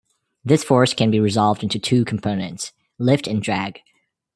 This force can be resolved into two components: lift and drag.